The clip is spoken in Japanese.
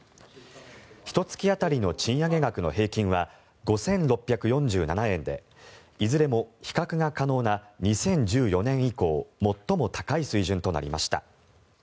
ひと月当たりの賃上げ額の平均は５６４７円でいずれも比較が可能な２０１４年以降最も高い水準となりました。